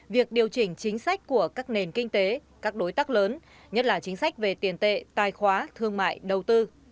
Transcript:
việc điều chỉnh chính sách của các nền kinh tế các đối tác lớn nhất là chính sách về tiền tệ tài khóa thương mại đầu tư